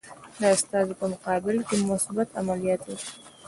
د استازو په مقابل کې مثبت عملیات وکړي.